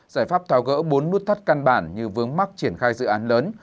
giải pháp tháo gỡ bốn nút thắt căn bản như vướng mắt triển khai dự án lớn